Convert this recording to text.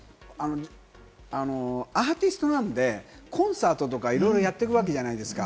アーティストなので、コンサートとかいろいろやっていくわけじゃないですか。